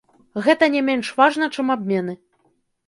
Гэта не менш важна, чым абмены.